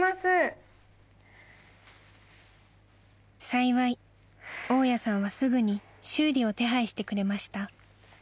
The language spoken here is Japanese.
［幸い大家さんはすぐに修理を手配してくれました］